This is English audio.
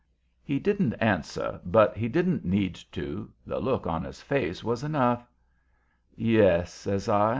He didn't answer, but he didn't need to; the look on his face was enough. "Yes," says I.